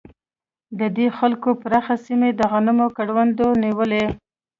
د دې جلګو پراخه سیمې د غنمو کروندو نیولې.